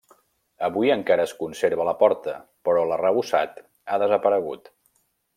Avui encara es conserva la porta, però l'arrebossat ha desaparegut.